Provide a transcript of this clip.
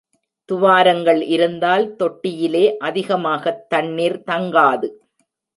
துவாரங்கள் இருந்தால் தொட்டியிலே அதிகமாகத் தண்ணிர் தங்காது.